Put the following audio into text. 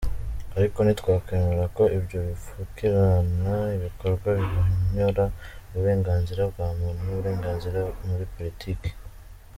"Ariko ntitwakwemera ko ibyo bipfukirana ibikorwa bihonyora uburenganzira bwa muntu n'uburenganzira muri politike.